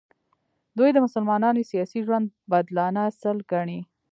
دوی د مسلمانانو سیاسي ژوند بدلانه اصل ګڼي.